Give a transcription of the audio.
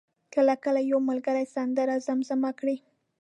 کله کله یو ملګری سندره زمزمه کړه.